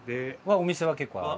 お店は結構ある？